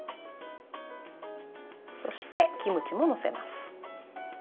そして、キムチも載せます。